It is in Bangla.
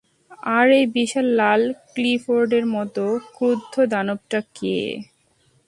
আর ওই বিশাল লাল ক্লিফোর্ডের মত ক্রুদ্ধ দানবটা কে?